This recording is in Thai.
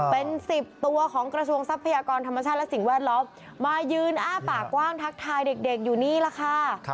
เป็น๑๐ตัวของกระทรวงทรัพยากรธรรมชาติและสิ่งแวดล้อมมายืนอ้าปากกว้างทักทายเด็กอยู่นี่แหละค่ะ